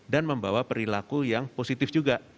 dan membawa perilaku yang positif juga